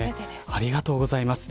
ありがとうございます。